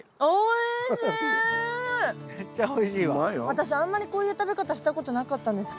私あんまりこういう食べ方したことなかったんですけど今まで。